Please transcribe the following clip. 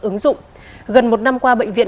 ứng dụng gần một năm qua bệnh viện